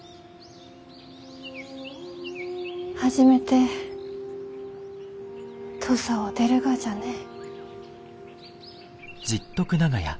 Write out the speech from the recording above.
初めて土佐を出るがじゃねえ。